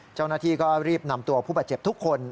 เจ้าหน้าที่ก็รีบนำตัวผู้บาดเจ็บทุกคน